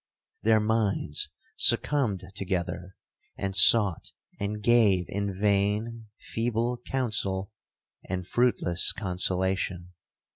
Their minds succumbed together, and sought and gave in vain, feeble counsel, and fruitless consolation.